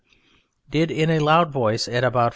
did in a loud voice at about 4.